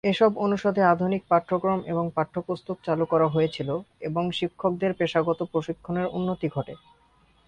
এসব অনুষদে আধুনিক পাঠ্যক্রম এবং পাঠ্যপুস্তক চালু করা হয়েছিল এবং শিক্ষকদের পেশাগত প্রশিক্ষণের উন্নতি ঘটে।